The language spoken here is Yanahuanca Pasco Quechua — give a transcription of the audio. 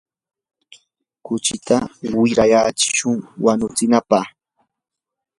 kuchita wirayatsishun watyanapaq.